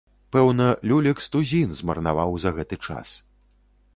Пэўна люлек з тузін змарнаваў за гэты час.